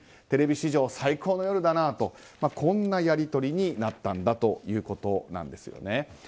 テレビ史上最高の夜だなとこんなやり取りになったということなんですね。